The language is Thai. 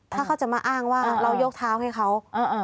ถ้าเขาจะมาอ้างว่าเรายกเท้าให้เขา